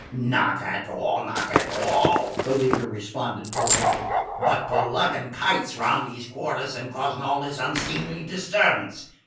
"Not at all, not at all," the leader responded politely; "but for luggin' kites round these quarters an' causin' all this unseemly disturbance.